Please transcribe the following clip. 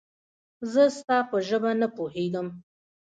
زه ستا په ژبه نه پوهېږم